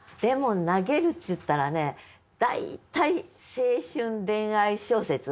檸檬投げるって言ったらね大体青春恋愛小説。